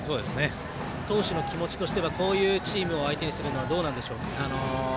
投手の気持ちとしてはこういうチームを相手にするのはどうなんでしょうか。